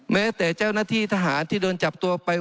แม้แต่เจ้าหน้าที่ทหารที่โดนจับตัวไป